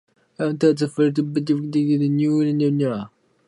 Hunter was the new and only the second governor of the colony.